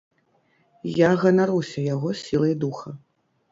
Я ганаруся яго сілай духа.